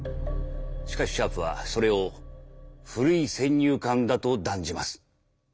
しかしシャープはそれを「古い先入観」だと断じます。